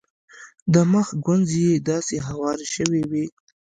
د مخ ګونځې یې داسې هوارې شوې وې.